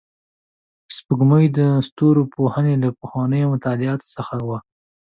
سپوږمۍ د ستورپوهنې له پخوانیو مطالعاتو څخه وه